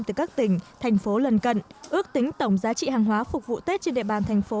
từ các tỉnh thành phố lần cận ước tính tổng giá trị hàng hóa phục vụ tết trên địa bàn thành phố